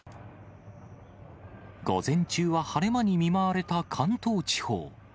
午前中は晴れ間に見舞われた関東地方。